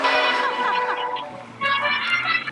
د کتابونو پر ځای د خیاطۍ او پخلي زده کړه ستا لپاره ګټوره ده.